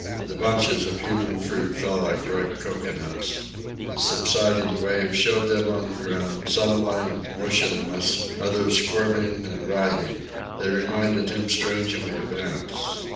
The bunches of human fruit fell like ripe cocoanuts. The subsiding wave showed them on the ground, some lying motionless, others squirming and writhing. They reminded him strangely of ants.